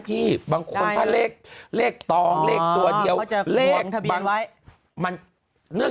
พี่บางคนถ้าเลขเลขตองเลขตัวเดียวเลขทะเบียนไว้มันเนื่อง